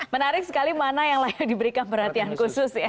menarik sekali mana yang layak diberikan perhatian khusus ya